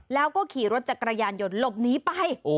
แล้วก็ขี่รถจากกระยานหย่อนหลบหนีไป